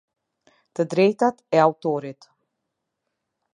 Të drejtat e autorit.